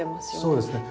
そうですね。